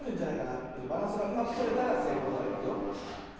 バランスがうまくとれたらせいこうだよ。いくよ。